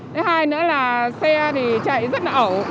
thứ hai nữa là xe thì chạy rất là ẩu